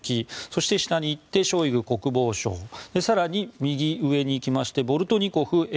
そして、下に行ってショイグ国防相更に、右上に行きましてボルトニコフＦＳＢ